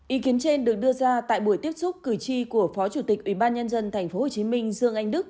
ý kiến trên được đưa ra tại buổi tiếp xúc cử tri của phó chủ tịch ubnd tp hcm dương anh đức